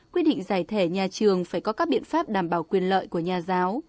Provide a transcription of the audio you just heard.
quy định giải thẻ nhà trường phải có các biện pháp đảm bảo quyền lợi của nhà giáo